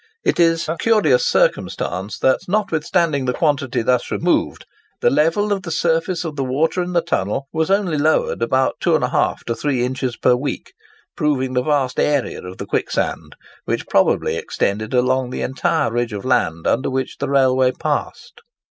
It is a curious circumstance that notwithstanding the quantity thus removed, the level of the surface of the water in the tunnel was only lowered about 2½ to 3 inches per week, proving the vast area of the quicksand, which probably extended along the entire ridge of land under which the railway passed.